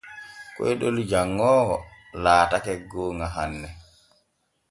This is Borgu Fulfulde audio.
Koyɗol janŋoowo laatake gooŋa hanne.